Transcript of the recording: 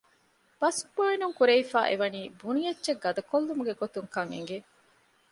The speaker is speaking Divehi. ބަސް ބޭނުންކުރެވިފައި އެވަނީ ބުނި އެއްޗެއް ގަދަކޮށްލުމުގެ ގޮތުން ކަން އެނގެ